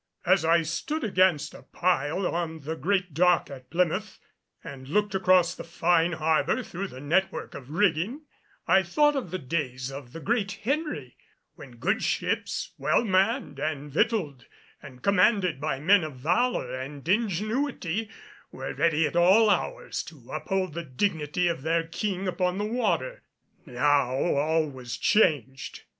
As I stood against a pile on the great dock at Plymouth and looked across the fine harbor through the network of rigging, I thought of the days of the Great Henry when good ships well manned and victualed, and commanded by men of valor and ingenuity, were ready at all hours to uphold the dignity of their king upon the water. Now all was changed.